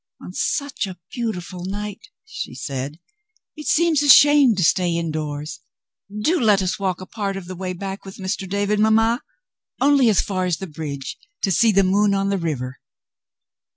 "On such a beautiful night," she said, "it seems a shame to stay indoors. Do let us walk a part of the way back with Mr. David, mamma! Only as far as the bridge, to see the moon on the river."